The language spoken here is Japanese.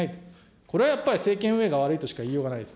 これはやっぱり政権運営が悪いとしかいいようがないです。